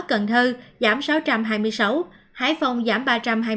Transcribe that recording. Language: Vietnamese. cần thơ giảm sáu trăm hai mươi sáu hải phòng giảm ba trăm hai mươi sáu hải dương giảm hai trăm sáu mươi